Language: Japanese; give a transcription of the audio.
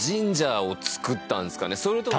それとも。